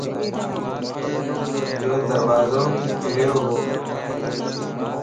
يو دروازو جريووَ